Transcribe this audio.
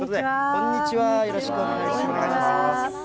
こんにちは、よろしくお願いします。